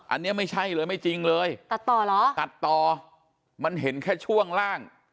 อันนี้ไม่ใช่เลยไม่จริงเลยตัดต่อเหรอตัดต่อมันเห็นแค่ช่วงล่าง